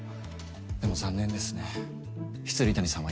でも残念ですね未谷さんは今。